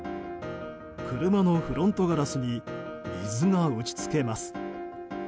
車のフロントガラスに水が打ち付けます。